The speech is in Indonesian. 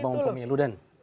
bukan karena mau pemilu dan